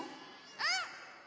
うん！